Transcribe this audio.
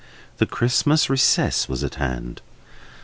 The Christmas recess was at hand.